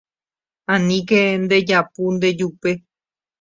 Aníke ndejapu ndejupe